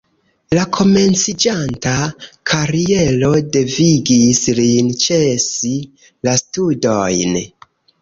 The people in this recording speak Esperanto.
La komenciĝanta kariero devigis lin ĉesi la studojn.